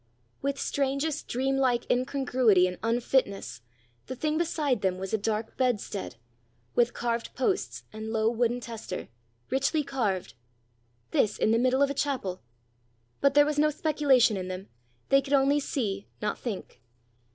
With strangest dream like incongruity and unfitness, the thing beside them was a dark bedstead, with carved posts and low wooden tester, richly carved! This in the middle of a chapel! But there was no speculation in them; they could only see, not think.